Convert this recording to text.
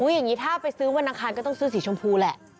อย่างนี้ถ้าไปซื้อวันอังคารก็ต้องซื้อสีชมพูแหละ